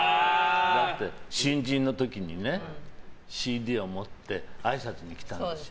新人の時にＣＤを持ってあいさつに来たんですよ。